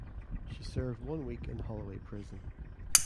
She served one week in Holloway Prison.